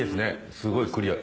すごいクリア。